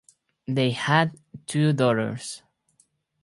They had two daughters.